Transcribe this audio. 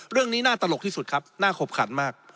เรื่องนี้น่าตลกที่สุดครับน่าขบขันมาก